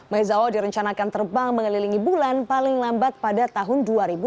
mezawa direncanakan terbang mengelilingi bulan paling lambat pada tahun dua ribu dua puluh